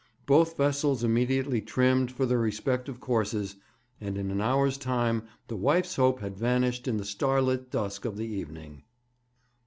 Both vessels immediately trimmed for their respective courses, and in an hour's time the Wife's Hope had vanished in the starlit dusk of the evening.